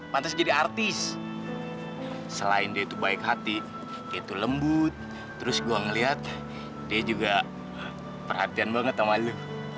pantas jadi artis selain itu baik hati itu lembut terus gua ngelihat dia juga perhatian banget sama lu